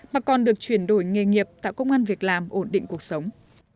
mà còn được chuyển đổi nghề nghiệp tạo công an việc làm ổn định cuộc sống